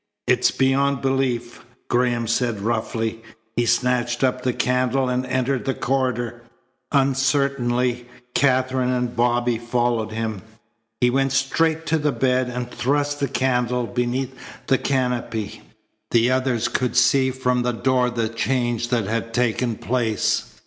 "It's beyond belief," Graham said roughly. He snatched up the candle and entered the corridor. Uncertainly Katherine and Bobby followed him. He went straight to the bed and thrust the candle beneath the canopy. The others could see from the door the change that had taken place.